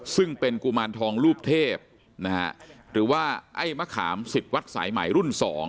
ซึ่งเป็นกุมารทองลูกเทพหรือว่าไอ้มะขาม๑๐วัดสายใหม่รุ่น๒